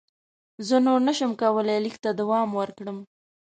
زه نور نه شم کولای لیک ته دوام ورکړم.